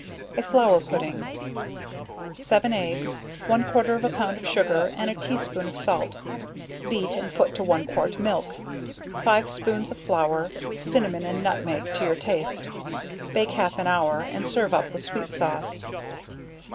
A Flour Pudding. Seven eggs, one quarter of a pound of sugar, and a tea spoon of salt, beat and put to one quart milk, 5 spoons of flour, cinnamon and nutmeg to your taste, bake half an hour, and serve up with sweet sauce.